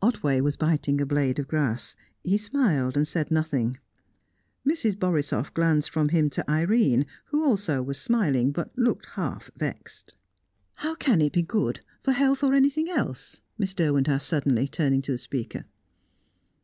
Otway was biting a blade of grass; he smiled and said nothing. Mrs. Borisoff glanced from him to Irene, who also was smiling, but looked half vexed. "How can it be good, for health or anything else?" Miss Derwent asked suddenly, turning to the speaker.